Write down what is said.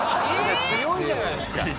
強いじゃないですか。